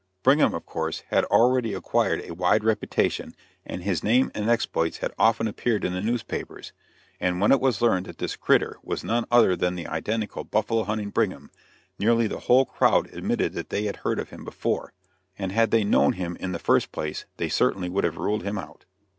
Brigham, of course, had already acquired a wide reputation, and his name and exploits had often appeared in the newspapers, and when it was learned that this "critter" was none other than the identical buffalo hunting Brigham, nearly the whole crowd admitted that they had heard of him before, and had they known him in the first place they certainly would have ruled him out.